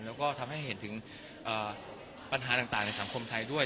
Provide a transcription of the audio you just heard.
แล้วก็ทำให้เห็นถึงปัญหาต่างในสังคมไทยด้วย